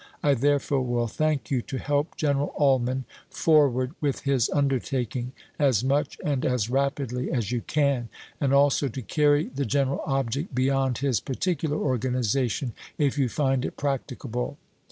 I therefore will thank you to help General UUman forward with his undertaking, as much and as rapidly as you can ; and also to carry the general object beyond his particular organiza tion if you find it practicable.